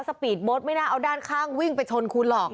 ปีดโบ๊ทไม่น่าเอาด้านข้างวิ่งไปชนคุณหรอก